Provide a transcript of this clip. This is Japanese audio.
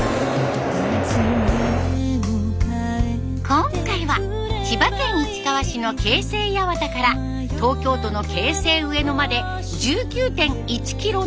今回は千葉県市川市の京成八幡から東京都の京成上野まで１９．１キロの旅。